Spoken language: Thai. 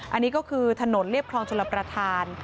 อันนี้ก็คือถนนเรียบคลองชลประธาน